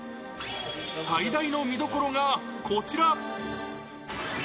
最大の見どころがこちら。